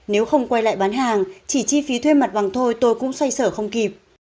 nếu không quay lại bán hàng chỉ chi phí thuê mặt bằng thôi tôi cũng xoay sở không kịp